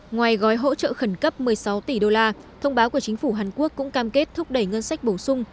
ngoài gói hỗ trợ khẩn cấp một mươi sáu tỷ đô la thông báo của chính phủ hàn quốc cũng cam kết thúc đẩy ngân sách bổ sung